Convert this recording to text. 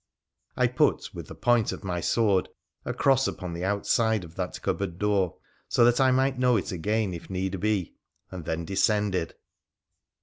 I put, with the point of my sword, a cross upon the outside of that cupboard door, so that I might know it again if need be, and then descended.